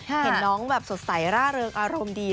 เห็นน้องแบบสดใสร่าเริงอารมณ์ดี